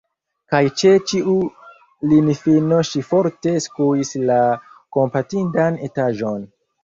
Kaj ĉe ĉiu linifino ŝi forte skuis la kompatindan etaĵon.